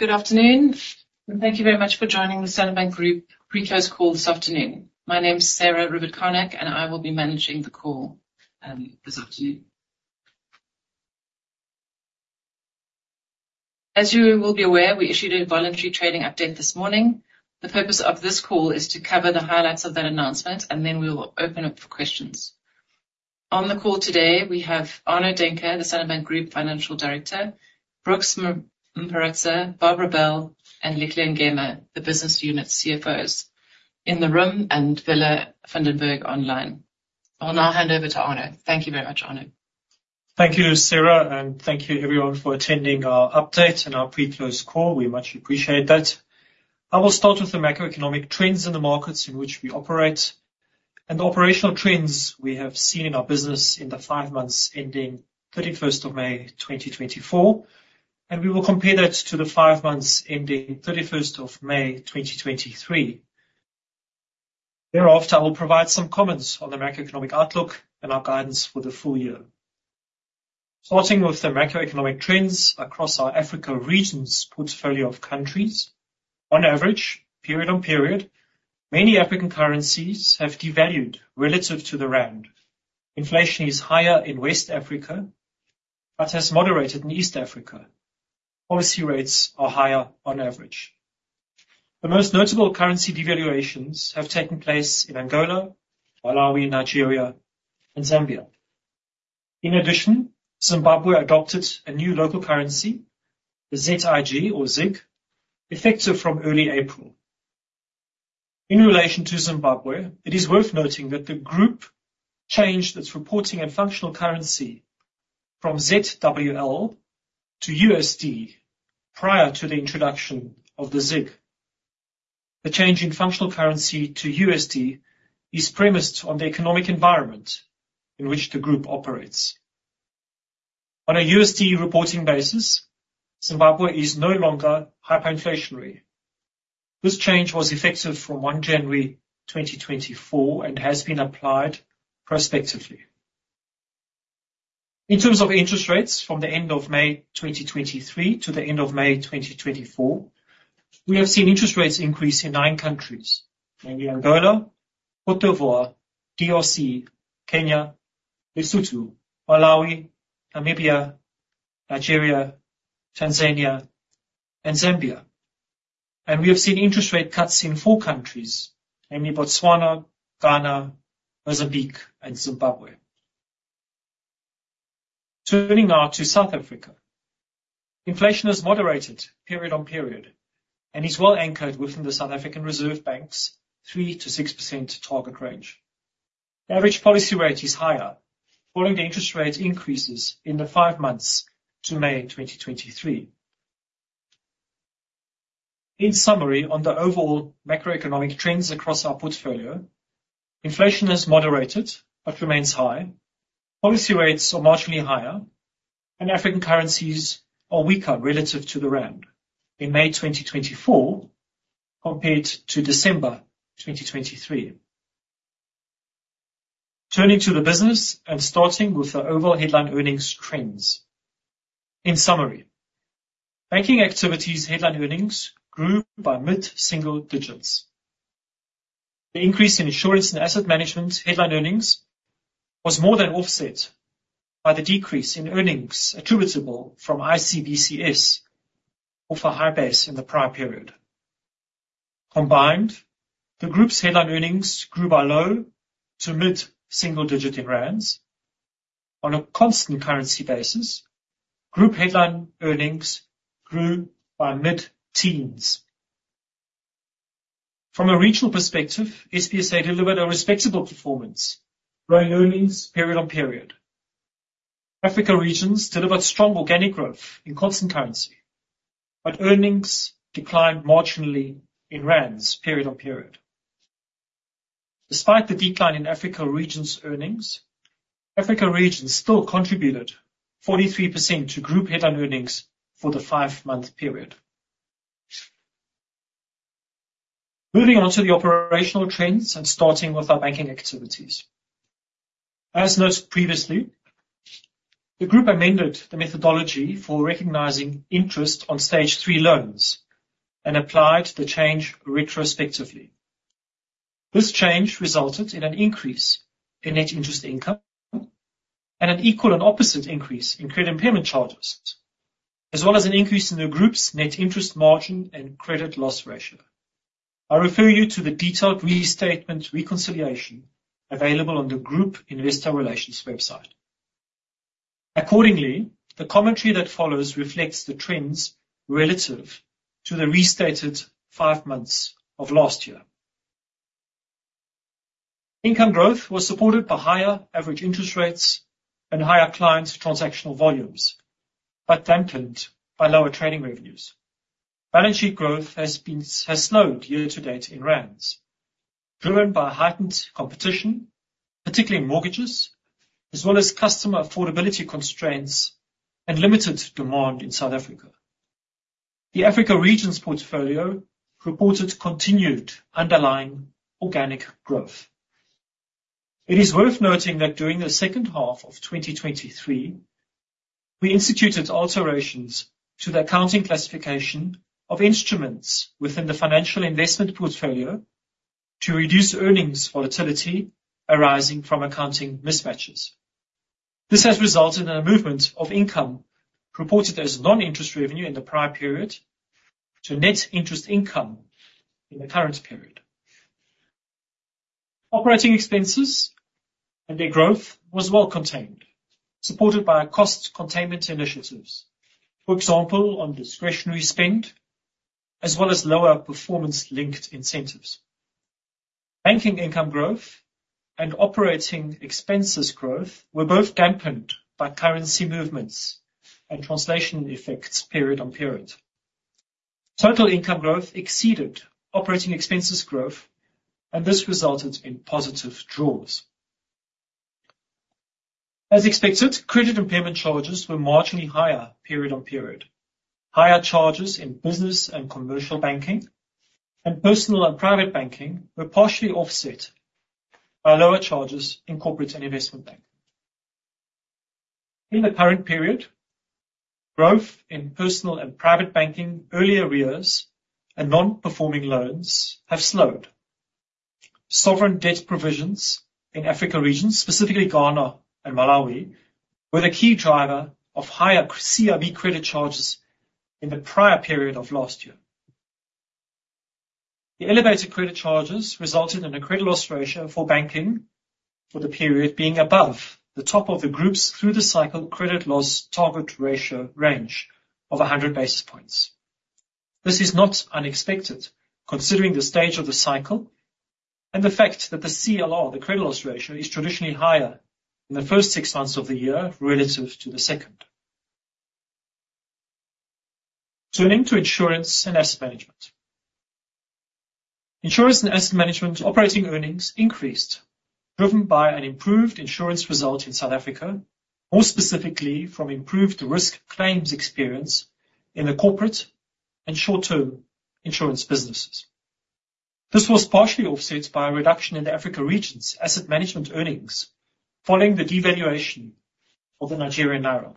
Good afternoon, and thank you very much for joining the Standard Bank Group Pre-Close Call this afternoon. My name is Sarah Rivett-Carnac, and I will be managing the call, this afternoon. As you will be aware, we issued a voluntary trading update this morning. The purpose of this call is to cover the highlights of that announcement, and then we will open up for questions. On the call today, we have Arno Daehnke, the Standard Bank Group Financial Director, Brooks Mparutsa, Barbara Bell, and Thembelihle Ngema, the business unit CFOs in the room, and Willem van den Berg online. I'll now hand over to Arno. Thank you very much, Arno. Thank you, Sarah, and thank you everyone for attending our update and our pre-close call. We much appreciate that. I will start with the macroeconomic trends in the markets in which we operate, and the operational trends we have seen in our business in the five months ending 31st of May, 2024, and we will compare that to the five months ending 31st of May, 2023. Thereafter, I will provide some comments on the macroeconomic outlook and our guidance for the full year. Starting with the macroeconomic trends across our Africa Regions portfolio of countries, on average, period-on-period, many African currencies have devalued relative to the rand. Inflation is higher in West Africa, but has moderated in East Africa. Policy rates are higher on average. The most notable currency devaluations have taken place in Angola, Malawi, Nigeria, and Zambia. In addition, Zimbabwe adopted a new local currency, the ZiG, or ZiG, effective from early April. In relation to Zimbabwe, it is worth noting that the group changed its reporting and functional currency from ZWL to USD prior to the introduction of the ZiG. The change in functional currency to USD is premised on the economic environment in which the group operates. On a USD reporting basis, Zimbabwe is no longer hyperinflationary. This change was effective from 1 January 2024 and has been applied prospectively. In terms of interest rates from the end of May 2023 to the end of May 2024, we have seen interest rates increase in nine countries, namely Angola, Côte d’Ivoire, DRC, Kenya, Lesotho, Malawi, Namibia, Nigeria, Tanzania, and Zambia. We have seen interest rate cuts in four countries, namely Botswana, Ghana, Mozambique and Zimbabwe. Turning now to South Africa. Inflation has moderated period-on-period and is well anchored within the South African Reserve Bank's 3%-6% target range. Average policy rate is higher, following the interest rate increases in the 5 months to May 2023. In summary, on the overall macroeconomic trends across our portfolio, inflation has moderated but remains high. Policy rates are marginally higher, and African currencies are weaker relative to the rand in May 2024 compared to December 2023. Turning to the business and starting with the overall headline earnings trends. In summary, banking activities headline earnings grew by mid-single digits. The increase in Insurance and Asset Management headline earnings was more than offset by the decrease in earnings attributable from ICBCS off a high base in the prior period. Combined, the group's headline earnings grew by low to mid-single digit in rands. On a constant currency basis, group headline earnings grew by mid-teens. From a regional perspective, SBSA delivered a respectable performance, growing earnings period-on-period. Africa Regions delivered strong organic growth in constant currency, but earnings declined marginally in rands, period-on-period. Despite the decline in Africa Regions' earnings, Africa Regions still contributed 43% to group headline earnings for the five-month period. Moving on to the operational trends and starting with our banking activities. As noted previously, the group amended the methodology for recognizing interest on Stage 3 loans and applied the change retrospectively. This change resulted in an increase in net interest income and an equal and opposite increase in credit impairment charges, as well as an increase in the group's net interest margin and credit loss ratio. I refer you to the detailed release statement reconciliation available on the group investor relations website. Accordingly, the commentary that follows reflects the trends relative to the restated five months of last year. Income growth was supported by higher average interest rates and higher client transactional volumes, but dampened by lower trading revenues. Balance sheet growth has slowed year to date in Rands, driven by heightened competition, particularly in mortgages, as well as customer affordability constraints and limited demand in South Africa. The Africa Regions portfolio reported continued underlying organic growth. It is worth noting that during the second half of 2023, we instituted alterations to the accounting classification of instruments within the financial investment portfolio to reduce earnings volatility arising from accounting mismatches. This has resulted in a movement of income reported as non-interest revenue in the prior period to net interest income in the current period. Operating expenses and their growth was well contained, supported by our cost containment initiatives. For example, on discretionary spend as well as lower performance-linked incentives. Banking income growth and operating expenses growth were both dampened by currency movements and translation effects period-on-period. Total income growth exceeded operating expenses growth, and this resulted in positive jaws. As expected, credit impairment charges were marginally higher period-on-period. Higher charges in Business and Commercial Banking, and Personal and Private Banking were partially offset by lower charges in Corporate and Investment Banking. In the current period, growth in Personal and Private Banking, early arrears, and non-performing loans have slowed. Sovereign debt provisions in Africa Regions, specifically Ghana and Malawi, were the key driver of higher CIB credit charges in the prior period of last year. The elevated credit charges resulted in a credit loss ratio for banking for the period being above the top of the Group's through the cycle credit loss target ratio range of 100 basis points. This is not unexpected, considering the stage of the cycle and the fact that the CLR, the credit loss ratio, is traditionally higher in the first six months of the year relative to the second. Turning to Insurance and Asset Management. Insurance and Asset Management operating earnings increased, driven by an improved insurance result in South Africa, more specifically from improved risk claims experience in the corporate and short-term insurance businesses. This was partially offset by a reduction in the Africa Regions asset management earnings following the devaluation of the Nigerian naira.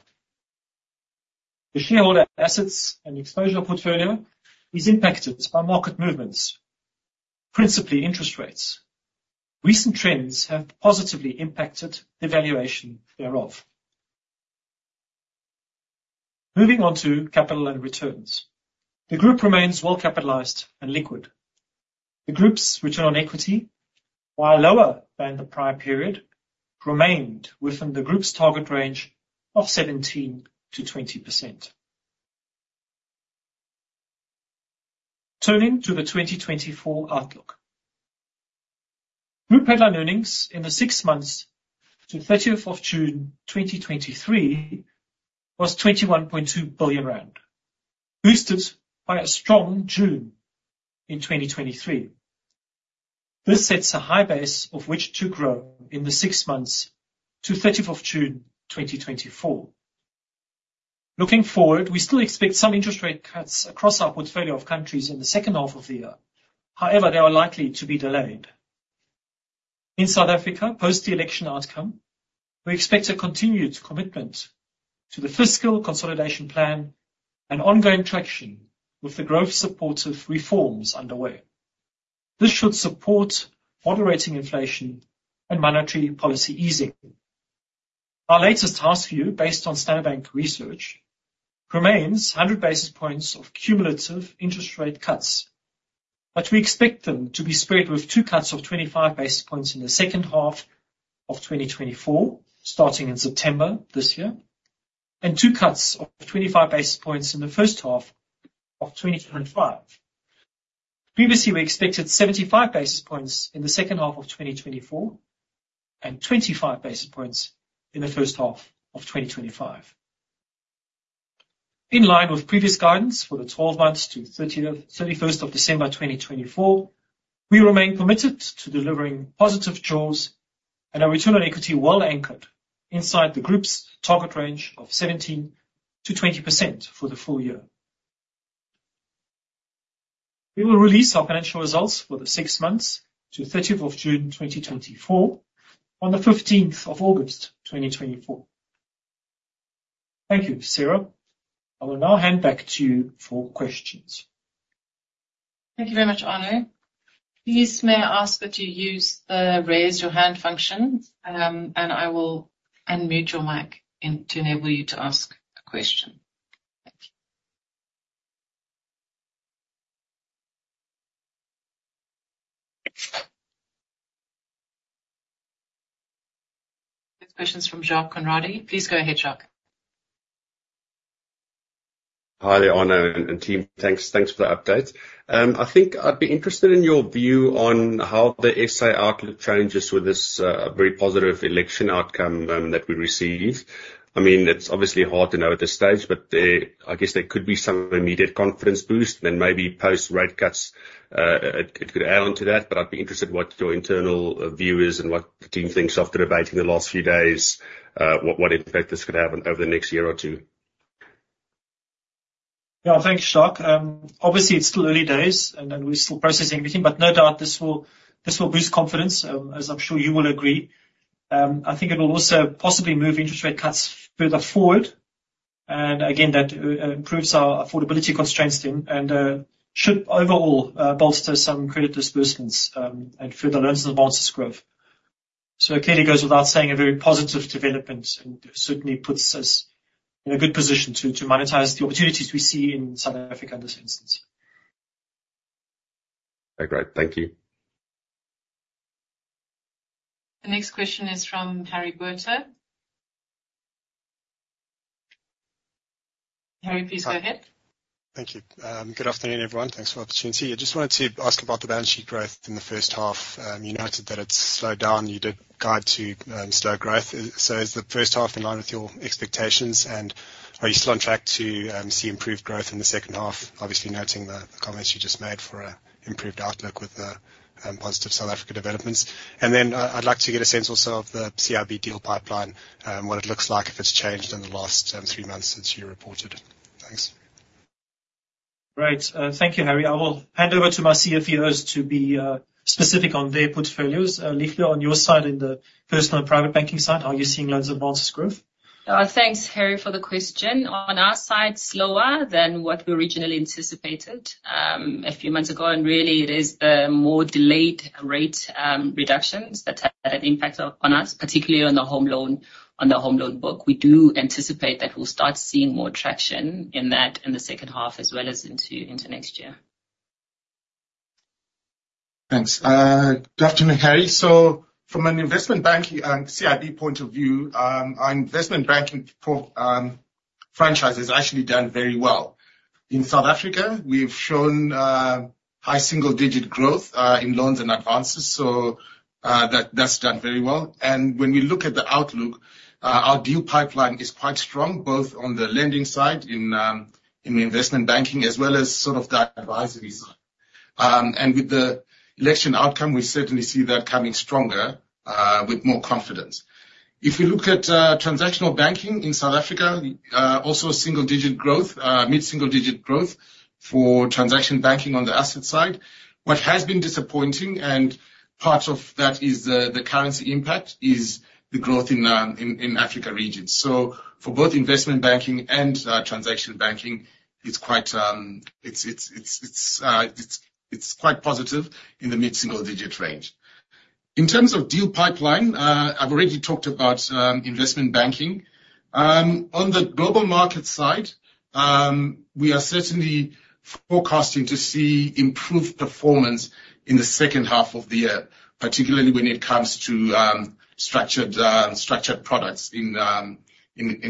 The shareholder assets and exposure portfolio is impacted by market movements, principally interest rates. Recent trends have positively impacted the valuation thereof. Moving on to capital and returns. The group remains well capitalized and liquid. The group's return on equity, while lower than the prior period, remained within the group's target range of 17%-20%. Turning to the 2024 outlook. Group headline earnings in the six months to thirtieth of June 2023 was 21.2 billion rand, boosted by a strong June in 2023. This sets a high base of which to grow in the six months to thirtieth of June 2024. Looking forward, we still expect some interest rate cuts across our portfolio of countries in the second half of the year. However, they are likely to be delayed. In South Africa, post the election outcome, we expect a continued commitment to the fiscal consolidation plan and ongoing traction with the growth supportive reforms underway. This should support moderating inflation and monetary policy easing. Our latest house view, based on Standard Bank Research, remains 100 basis points of cumulative interest rate cuts, but we expect them to be spread with two cuts of 25 basis points in the second half of 2024, starting in September this year, and two cuts of 25 basis points in the first half of 2025. Previously, we expected 75 basis points in the second half of 2024 and 25 basis points in the first half of 2025. In line with previous guidance for the twelve months to 31st of December 2024, we remain committed to delivering positive jaws and our return on equity well anchored inside the group's target range of 17%-20% for the full year. We will release our financial results for the six months to 30th of June 2024, on the 15th of August 2024. Thank you. Sarah, I will now hand back to you for questions. Thank you very much, Arno. Please, may I ask that you use the Raise Your Hand function, and I will unmute your mic and to enable you to ask a question. Thank you. Next question is from Jacques Conradie. Please go ahead, Jacques. Hi there, Arno and team. Thanks for the update. I think I'd be interested in your view on how the SA outlook changes with this very positive election outcome that we received. I mean, it's obviously hard to know at this stage, but I guess there could be some immediate confidence boost, then maybe post-rate cuts, it could add on to that, but I'd be interested in what your internal view is and what the team thinks after debating the last few days, what impact this could have on over the next year or two? Yeah, thank you, Jacques. Obviously, it's still early days, and then we're still processing everything, but no doubt this will boost confidence, as I'm sure you will agree. I think it will also possibly move interest rate cuts further forward, and again, that improves our affordability constraints then, and should overall bolster some credit disbursements, and further loans advances growth. So it clearly goes without saying, a very positive development, and certainly puts us in a good position to monetize the opportunities we see in South Africa in this instance. Great. Thank you. The next question is from Harry Botha. Harry, please go ahead. Thank you. Good afternoon, everyone. Thanks for the opportunity. I just wanted to ask about the balance sheet growth in the first half. You noted that it's slowed down. You did guide to slow growth. So is the first half in line with your expectations, and are you still on track to see improved growth in the second half? Obviously, noting the comments you just made for an improved outlook with the positive South Africa developments. And then, I'd like to get a sense also of the CIB deal pipeline, what it looks like, if it's changed in the last three months since you reported. Thanks. Great. Thank you, Harry. I will hand over to my CFVOs to be specific on their portfolios. Lihle, on your side, in the Personal and Private Banking side, are you seeing loans advances growth? Thanks, Harry, for the question. On our side, slower than what we originally anticipated a few months ago, and really it is the more delayed rate reductions that had an impact on us, particularly on the home loan book. We do anticipate that we'll start seeing more traction in that in the second half, as well as into next year. Thanks. Good afternoon, Harry. So from an Investment Banking and CIB point of view, our Investment Banking franchise has actually done very well. In South Africa, we've shown high single digit growth in loans and advances, so that's done very well. And when we look at the outlook, our deal pipeline is quite strong, both on the lending side in in Investment Banking, as well as sort of the advisory side. And with the election outcome, we certainly see that coming stronger with more confidence. If you look at transactional banking in South Africa, also single digit growth, mid-single digit growth for Transaction Banking on the asset side. What has been disappointing, and part of that is the currency impact, is the growth in in in Africa Regions. So for both Investment Banking and Transaction Banking, it's quite positive in the mid-single digit range. In terms of deal pipeline, I've already talked about Investment Banking. On the global market side, we are certainly forecasting to see improved performance in the second half of the year, particularly when it comes to structured products in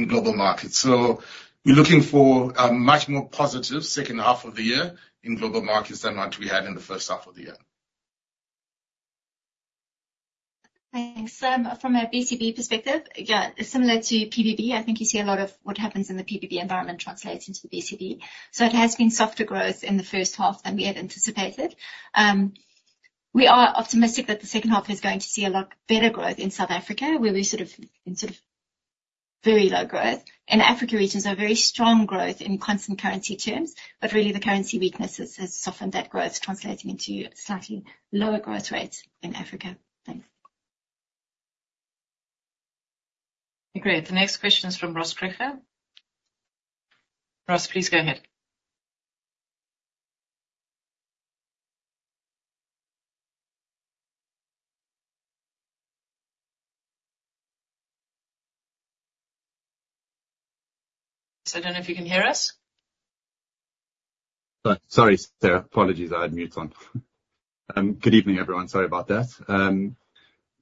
global markets. So we're looking for a much more positive second half of the year in global markets than what we had in the first half of the year. Thanks. From a BCB perspective, again, similar to PBB, I think you see a lot of what happens in the PBB environment translates into the BCB. So it has been softer growth in the first half than we had anticipated. We are optimistic that the second half is going to see a lot better growth in South Africa, where we're sort of in sort of very low growth. In Africa Regions, a very strong growth in constant currency terms, but really the currency weaknesses has softened that growth, translating into slightly lower growth rates in Africa. Thanks. Great. The next question is from Ross Krige. Ross, please go ahead. So I don't know if you can hear us? Sorry, Sarah. Apologies, I had mute on. Good evening, everyone. Sorry about that.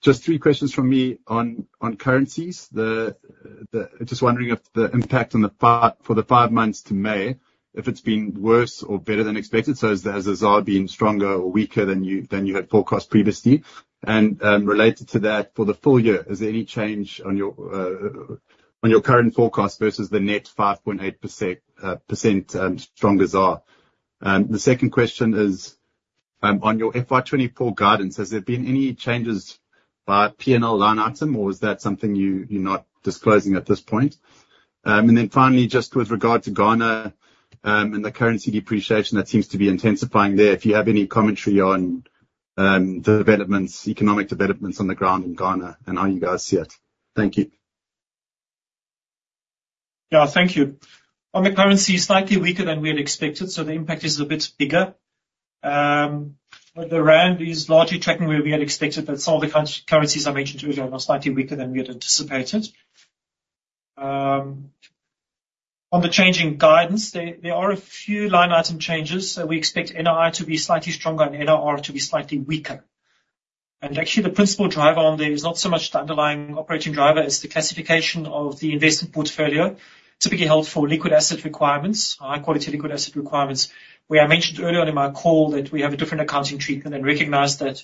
Just three questions from me on currencies. Just wondering if the impact on the five for the five months to May, if it's been worse or better than expected. So has the ZAR been stronger or weaker than you had forecast previously? And related to that, for the full year, is there any change on your current forecast versus the net 5.8% stronger ZAR? The second question is on your FY '24 guidance, has there been any changes by P&L, line item, or is that something you're not disclosing at this point? And then finally, just with regard to Ghana and the currency depreciation that seems to be intensifying there, if you have any commentary on economic developments on the ground in Ghana and how you guys see it. Thank you. Yeah, thank you. On the currency, slightly weaker than we had expected, so the impact is a bit bigger. But the rand is largely tracking where we had expected. But some of the counter-currencies I mentioned earlier are slightly weaker than we had anticipated. On the changing guidance, there are a few line item changes. So we expect NII to be slightly stronger and NIR to be slightly weaker. And actually, the principal driver on there is not so much the underlying operating driver, as the classification of the investment portfolio, typically held for liquid asset requirements, high-quality liquid asset requirements, where I mentioned earlier in my call that we have a different accounting treatment and recognize that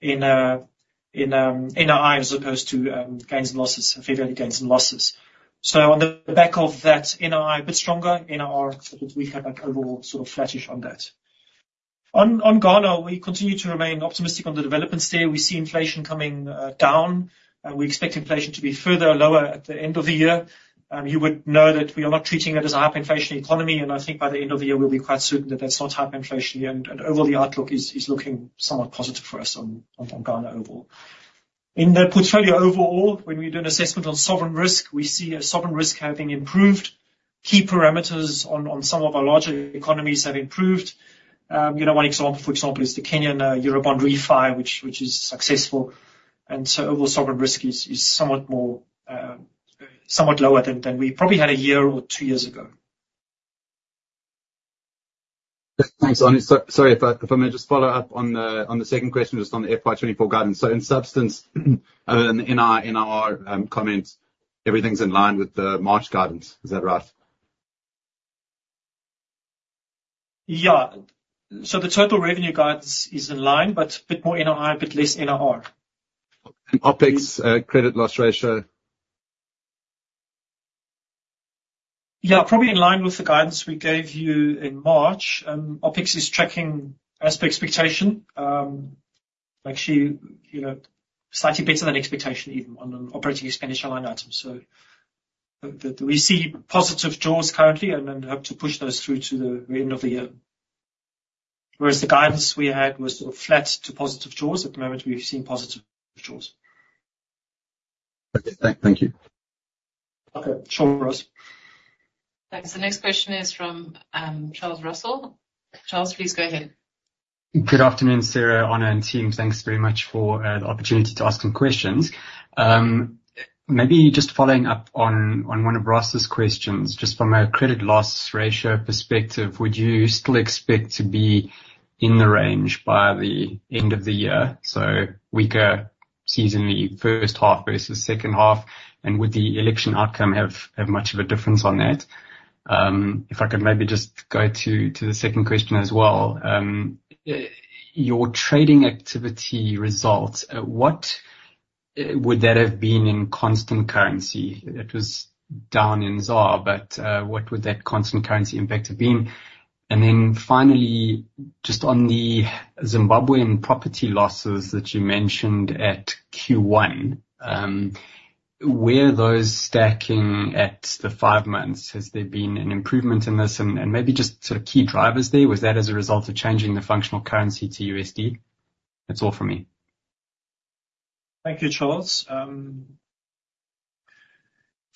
in NII, as opposed to gains and losses, fair value gains and losses. So on the back of that, NII a bit stronger, NIR a little weaker, but overall, sort of flattish on that. On Ghana, we continue to remain optimistic on the developments there. We see inflation coming down, and we expect inflation to be further lower at the end of the year. You would know that we are not treating it as a hyperinflation economy, and I think by the end of the year, we'll be quite certain that that's not hyperinflation. And overall, the outlook is looking somewhat positive for us on Ghana overall. In the portfolio overall, when we do an assessment on sovereign risk, we see a sovereign risk having improved. Key parameters on some of our larger economies have improved. You know, one example, for example, is the Kenyan Eurobond refile, which is successful. And so overall sovereign risk is somewhat more, somewhat lower than we probably had a year or two years ago. Thanks, Arno. Sorry, if I may just follow up on the second question, just on the FY '24 guidance. So in substance, in our comments, everything's in line with the March guidance. Is that right? Yeah. So the total revenue guidance is in line, but a bit more NII, a bit less NIR. And OpEx, credit loss ratio? Yeah, probably in line with the guidance we gave you in March. OpEx is tracking as per expectation. Actually, you know, slightly better than expectation, even on an operating expenditure line item. So we see positive jaws currently and then have to push those through to the end of the year. Whereas the guidance we had was sort of flat to positive jaws, at the moment, we've seen positive jaws. Okay. Thank you. Okay, Charles Russell. Thanks. The next question is from Charles Russell. Charles, please go ahead. Good afternoon, Sarah, Arno, and team. Thanks very much for the opportunity to ask some questions. Maybe just following up on one of Ross's questions, just from a credit loss ratio perspective, would you still expect to be in the range by the end of the year, so weaker seasonally, first half versus second half? And would the election outcome have much of a difference on that? If I could maybe just go to the second question as well. Your trading activity results, what would that have been in constant currency? It was down in ZAR, but what would that constant currency impact have been? And then finally, just on the Zimbabwean property losses that you mentioned at Q1, where are those stacking at the five months? Has there been an improvement in this? And maybe just sort of key drivers there. Was that as a result of changing the functional currency to USD? That's all for me. Thank you, Charles.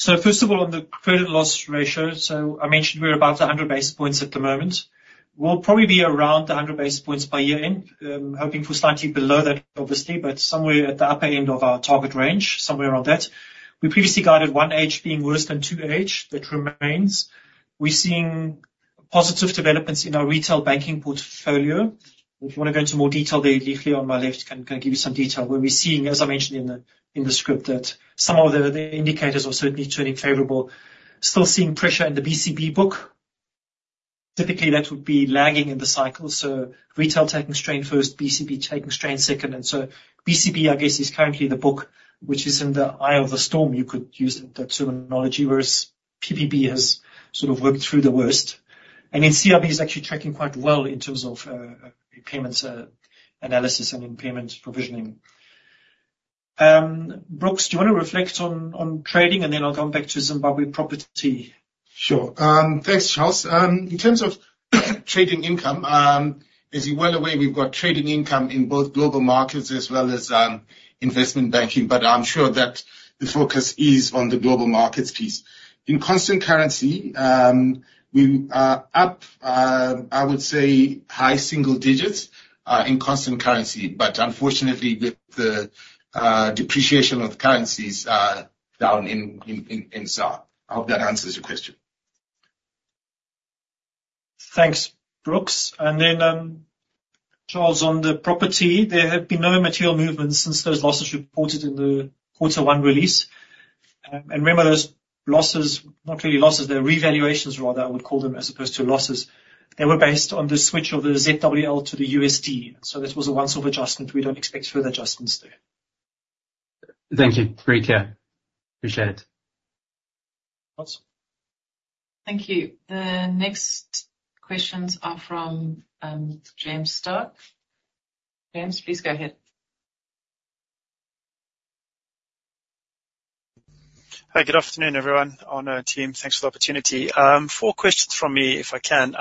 So first of all, on the credit loss ratio, so I mentioned we're about 100 basis points at the moment. We'll probably be around 100 basis points by year-end. Hoping for slightly below that, obviously, but somewhere at the upper end of our target range, somewhere around that. We previously guided 1H being worse than 2H. That remains. We're seeing positive developments in our retail banking portfolio. If you want to go into more detail there, Lihle, on my left, can give you some detail, where we're seeing, as I mentioned in the script, that some of the indicators are certainly turning favorable. Still seeing pressure in the BCB book. Typically, that would be lagging in the cycle, so retail taking strain first, BCB taking strain second. So BCB, I guess, is currently the book which is in the eye of the storm, you could use that terminology, whereas PPB has sort of worked through the worst. Then CIB is actually tracking quite well in terms of payments, analysis and impairment provisioning. Brooks, do you want to reflect on trading, and then I'll come back to Zimbabwean property? Sure. Thanks, Charles. In terms of trading income, as you're well aware, we've got trading income in both global markets as well as Investment Banking, but I'm sure that the focus is on the global markets piece. In constant currency, we are up, I would say, high single digits, in constant currency, but unfortunately, with the depreciation of currencies, down in ZAR. I hope that answers your question. Thanks, Brooks. And then, Charles, on the property, there have been no material movements since those losses reported in the quarter one release. And remember, those losses, not really losses, they're revaluations rather, I would call them, as opposed to losses. They were based on the switch of the ZWL to the USD, so this was a once-off adjustment. We don't expect further adjustments there. Thank you. Great, yeah. Appreciate it. Awesome. Thank you. The next questions are from James Starke. James, please go ahead. Hi, good afternoon, everyone on our team. Thanks for the opportunity. Four questions from me, if I can.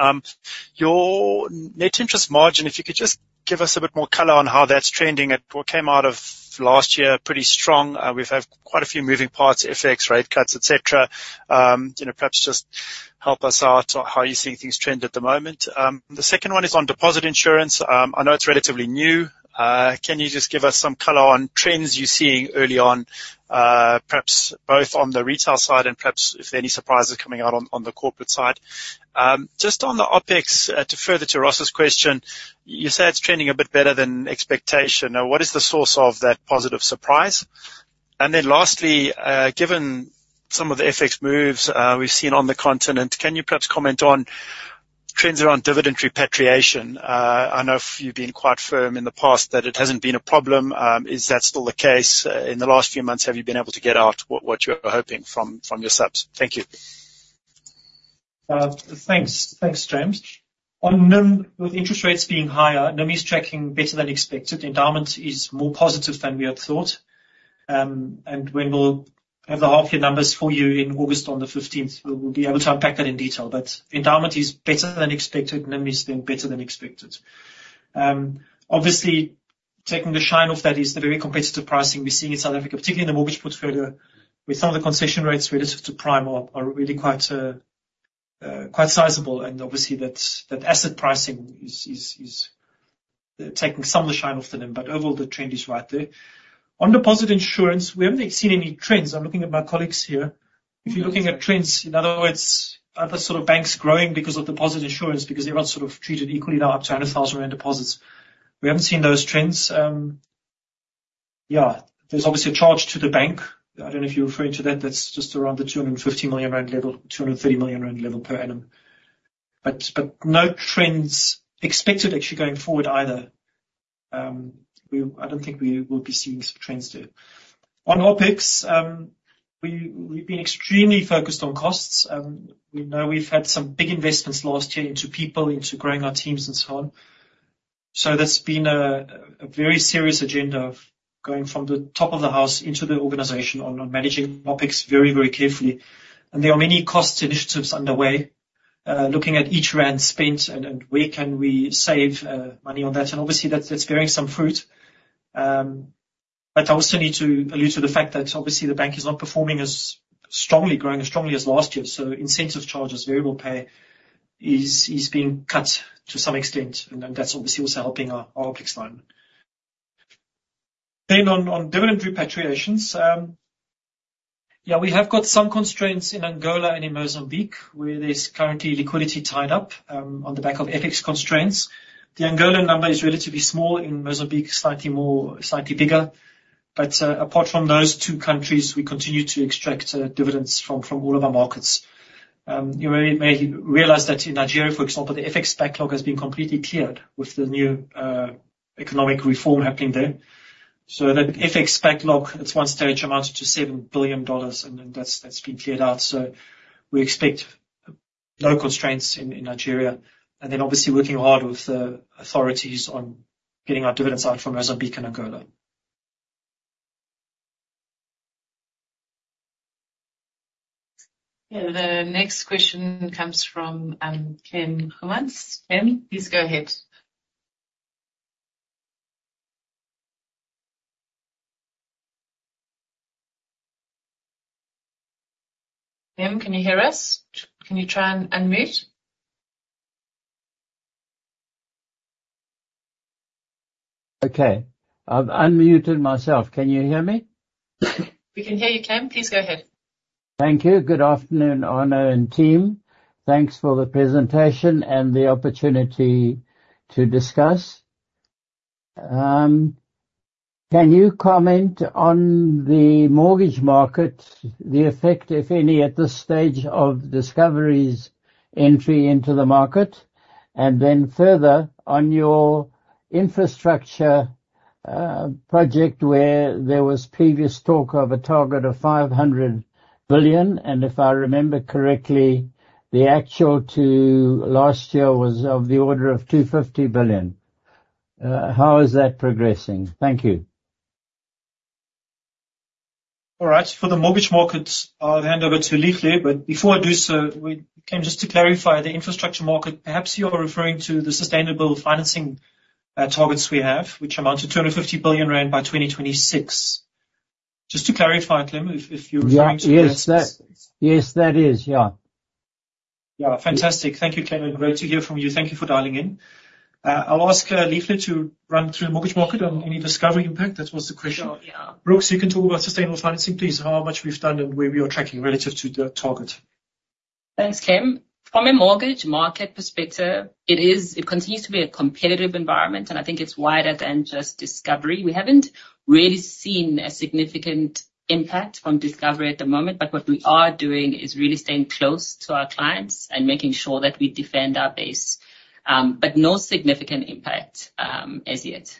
Your net interest margin, if you could just give us a bit more color on how that's trending. It, well, came out of last year pretty strong. We've had quite a few moving parts, FX rate cuts, et cetera. You know, perhaps just help us out on how you're seeing things trend at the moment. The second one is on deposit insurance. I know it's relatively new. Can you just give us some color on trends you're seeing early on, perhaps both on the retail side and perhaps if there are any surprises coming out on, on the corporate side? Just on the OpEx, to further to Ross's question, you say it's trending a bit better than expectation. Now, what is the source of that positive surprise? And then lastly, given some of the FX moves we've seen on the continent, can you perhaps comment on trends around dividend repatriation? I know you've been quite firm in the past that it hasn't been a problem. Is that still the case? In the last few months, have you been able to get out what you were hoping from your subs? Thank you. Thanks. Thanks, James. On NIM, with interest rates being higher, NIM is tracking better than expected. Endowment is more positive than we had thought. And when we'll have the half-year numbers for you in August on the 15th, we'll be able to unpack that in detail. But endowment is better than expected, NIM is doing better than expected. Obviously, taking the shine off that is the very competitive pricing we're seeing in South Africa, particularly in the mortgage portfolio, with some of the concession rates relative to prime are really quite sizable. And obviously, that's that asset pricing is taking some of the shine off the NIM. But overall, the trend is right there. On deposit insurance, we haven't seen any trends. I'm looking at my colleagues here. If you're looking at trends, in other words, are the sort of banks growing because of deposit insurance? Because everyone's sort of treated equally now up to 100,000 rand deposits. We haven't seen those trends. Yeah, there's obviously a charge to the bank. I don't know if you're referring to that. That's just around the 250 million rand level, 230 million rand level per annum. But no trends expected actually going forward either. I don't think we will be seeing some trends there. On OpEx, we, we've been extremely focused on costs. We know we've had some big investments last year into people, into growing our teams and so on. So there's been a very serious agenda of going from the top of the house into the organization on managing OpEx very, very carefully. There are many cost initiatives underway, looking at each rand spent and where can we save money on that. And obviously, that's bearing some fruit. But I also need to allude to the fact that obviously the bank is not performing as strongly, growing as strongly as last year. So incentive charges, variable pay, is being cut to some extent, and then that's obviously also helping our OpEx line. Then on dividend repatriations, yeah, we have got some constraints in Angola and in Mozambique, where there's currently liquidity tied up on the back of FX constraints. The Angolan number is relatively small, in Mozambique, slightly more, slightly bigger. But apart from those two countries, we continue to extract dividends from all of our markets. You may realize that in Nigeria, for example, the FX backlog has been completely cleared with the new economic reform happening there. So that FX backlog, at one stage, amounted to $7 billion, and then that's been cleared out. So we expect no constraints in Nigeria. And then obviously working hard with the authorities on getting our dividends out from Mozambique and Angola. Yeah. The next question comes from Clem Goemans. Clem, please go ahead. Clem, can you hear us? Can you try and unmute? Okay, I've unmuted myself. Can you hear me? We can hear you, Clem. Please go ahead. Thank you. Good afternoon, Arno and team. Thanks for the presentation and the opportunity to discuss. Can you comment on the mortgage market, the effect, if any, at this stage of Discovery's entry into the market? And then further, on your infrastructure project, where there was previous talk of a target of 500 billion, and if I remember correctly, the actual to last year was of the order of 250 billion. How is that progressing? Thank you. All right. For the mortgage markets, I'll hand over to Thembelihle. But before I do so, Clem, just to clarify, the infrastructure market, perhaps you're referring to the sustainable financing targets we have, which amount to 250 billion rand by 2026. Just to clarify, Clem, if you're referring to that- Yeah. Yes, yes, that is. Yeah. Yeah. Fantastic. Thank you, Clem, and great to hear from you. Thank you for dialing in. I'll ask Lihle to run through the mortgage market on any Discovery impact. That was the question. Sure, yeah. Brooks, you can talk about sustainable financing, please, how much we've done and where we are tracking relative to the target. Thanks, Clem. From a mortgage market perspective, it is, it continues to be a competitive environment, and I think it's wider than just Discovery. We haven't really seen a significant impact from Discovery at the moment, but what we are doing is really staying close to our clients and making sure that we defend our base. But no significant impact, as yet.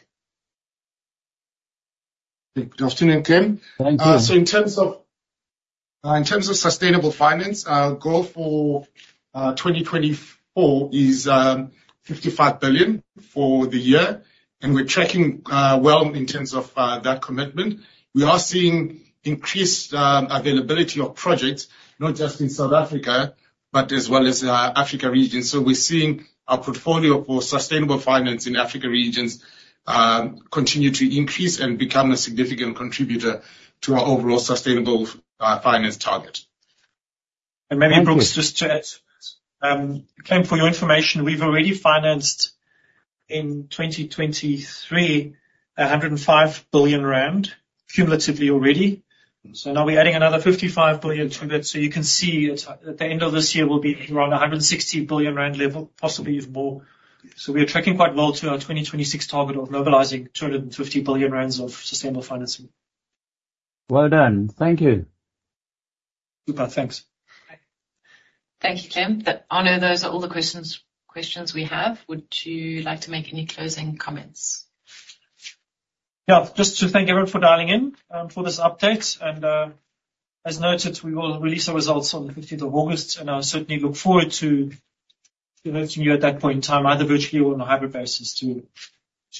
Good afternoon, Clem. Thank you. So in terms of sustainable finance, our goal for 2024 is 55 billion for the year, and we're tracking well in terms of that commitment. We are seeing increased availability of projects, not just in South Africa, but as well as our Africa region. So we're seeing our portfolio for sustainable finance in Africa Regions continue to increase and become a significant contributor to our overall sustainable finance target. And maybe, Brooks, just to add, Clem, for your information, we've already financed, in 2023, 105 billion rand, cumulatively already. So now we're adding another 55 billion to that. So you can see, at the end of this year, we'll be around a 160 billion rand level, possibly even more. So we are tracking quite well to our 2026 target of mobilizing 250 billion rand of sustainable financing. Well done. Thank you. Super. Thanks. Thank you, Clem. But, Arno, those are all the questions we have. Would you like to make any closing comments? Yeah, just to thank everyone for dialing in, for this update. As noted, we will release our results on the fifteenth of August, and I certainly look forward to reaching you at that point in time, either virtually or on a hybrid basis, to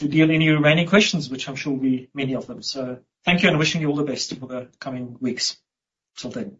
deal any remaining questions, which I'm sure will be many of them. So thank you, and wishing you all the best for the coming weeks. Till then.